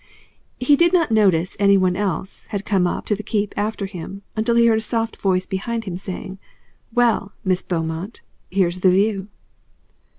He did not notice any one else had come up the Keep after him until he heard a soft voice behind him saying: "Well, MISS BEAUMONT, here's the view."